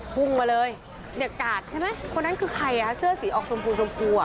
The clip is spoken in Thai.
พุ่งมาเลยเนี่ยกาดใช่ไหมคนนั้นคือใครอ่ะเสื้อสีออกชมพูชมพูอ่ะ